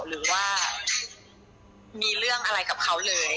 หรือว่ามีเรื่องอะไรกับเขาเลย